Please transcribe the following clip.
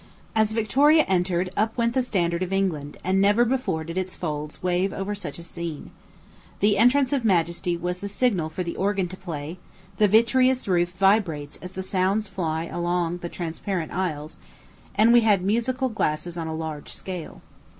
As Victoria entered, up went the standard of England, and never before did its folds wave over such a scene. The entrance of majesty was the signal for the organ to play; the vitreous roof vibrates as the sounds fly along the transparent aisles; and we had musical glasses on a large scale.